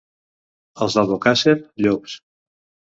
Els d'Albocàsser, llops.